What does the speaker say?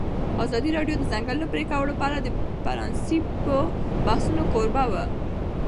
ازادي راډیو د د ځنګلونو پرېکول په اړه د پرانیستو بحثونو کوربه وه.